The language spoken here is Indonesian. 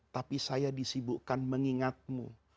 tapi saya disibukkan mengingatmu